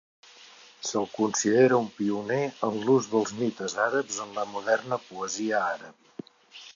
Se'l considere un pioner en l'ús dels mites àrabs en la moderna poesia àrab.